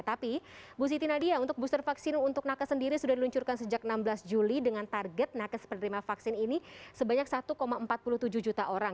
tapi bu siti nadia untuk booster vaksin untuk nakes sendiri sudah diluncurkan sejak enam belas juli dengan target nakes penerima vaksin ini sebanyak satu empat puluh tujuh juta orang